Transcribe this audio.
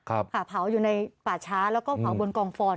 ค่ะเผาอยู่ในป่าช้าแล้วก็เผาบนกองฟอน